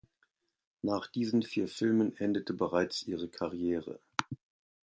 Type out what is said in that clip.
Nach diesen vier Filmen endete bereits ihre Karriere.